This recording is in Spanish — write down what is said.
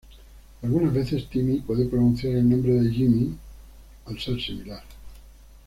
Algunas veces Timmy puede pronunciar el nombre de Jimmy al ser similar.